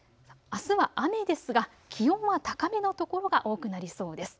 あすは雨ですが気温は高めの所が多くなりそうです。